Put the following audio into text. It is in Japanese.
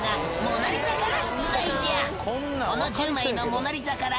「この１０枚のモナ・リザから」